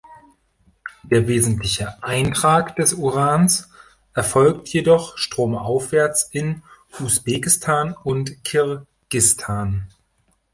Der wesentliche Eintrag des Urans erfolgt jedoch stromaufwärts in Usbekistan und Kirgisistan.